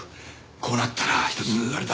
こうなったらひとつあれだ。